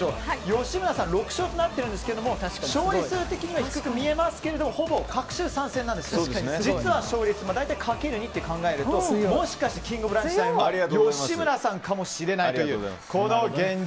吉村さん６勝となっていますが勝利数的には低く見えますけどほぼ隔週参戦なので実は勝率かける２と考えるともしかしてキング・オブ・ランチタイムは吉村さんかもしれないというこの現状。